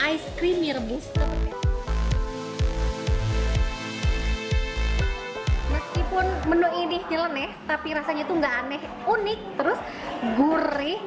ice cream merebus meskipun menu ini jelen eh tapi rasanya itu enggak aneh unik terus gurih